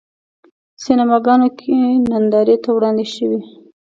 سینماګانو کې نندارې ته وړاندې شوی.